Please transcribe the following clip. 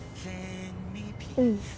うん